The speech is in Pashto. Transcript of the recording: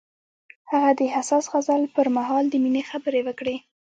هغه د حساس غزل پر مهال د مینې خبرې وکړې.